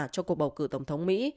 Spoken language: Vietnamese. cho cuộc bầu cử tổng thống mỹ